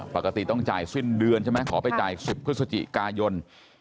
ปกติต้องจ่ายสิ้นเดือนใช่ไหมขอไปจ่าย๑๐พฤศจิกายน